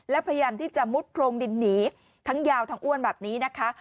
และพยายามที่จะมุดโพรงดินหนีทั้งยาวทั้งอ้วนแบบนี้นะคะ